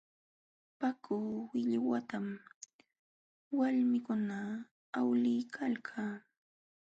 Paku willwatam walmikuna awliykalka.